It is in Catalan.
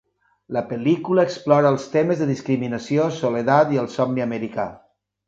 La pel·lícula explora els temes de discriminació, soledat i el somni americà.